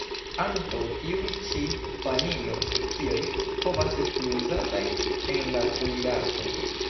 Ankaŭ tiuj ĉi Vanilo-specioj povas esti uzataj en la kuirarto.